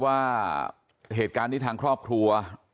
ว่าเหตุการณ์นี้ทางครอบครัว